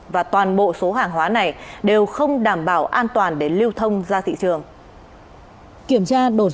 và toàn bộ số hàng hóa này đều không đảm bảo an toàn để lưu thông ra thị trường